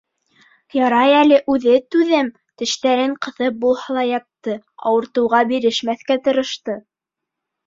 Ярай әле үҙе түҙем, тештәрен ҡыҫып булһа ла ятты, ауыртыуға бирешмәҫкә тырышты.